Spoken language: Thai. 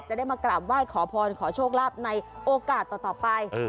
ได้มากราบไหว้ขอพรขอโชคลาภในโอกาสต่อไป